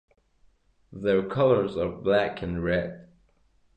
Their colors are black and red.